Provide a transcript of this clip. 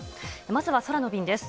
まずは空の便です。